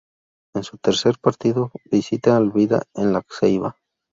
En su tercer partido visita al Vida en La Ceiba.